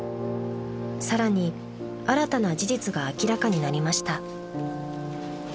［さらに新たな事実が明らかになりました］